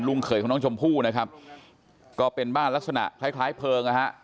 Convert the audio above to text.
เขยของน้องชมพู่นะครับก็เป็นบ้านลักษณะคล้ายคล้ายเพลิงนะฮะ